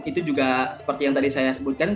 itu juga seperti yang tadi saya sebutkan